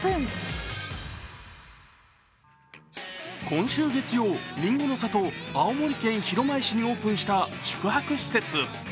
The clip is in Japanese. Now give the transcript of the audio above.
今週月曜、りんごの里、青森県弘前市にオープンした宿泊施設。